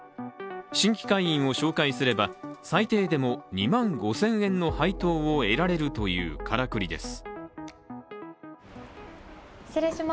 新規会員を紹介すれば最低でも２万５０００円の配当を得られるというからくりです。